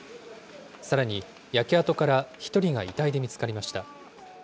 さらに、焼け跡から１人が遺体で見つかりました。